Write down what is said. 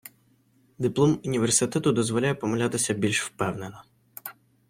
Диплом університету дозволяє помилятися більш впевнено.